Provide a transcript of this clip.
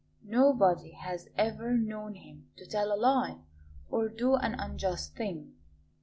Nobody has ever known him to tell a lie or do an unjust thing.'"